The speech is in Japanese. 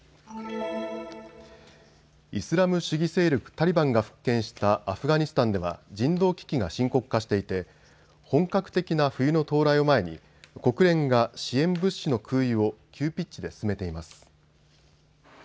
イスラム主義勢力タリバンが復権したアフガニスタンでは人道危機が深刻化していて本格的な冬の到来を前に国連が支援物資の空輸を急ピッチで進めています。